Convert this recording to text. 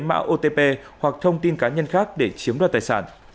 mạo otp hoặc thông tin cá nhân khác để chiếm đoạt tài sản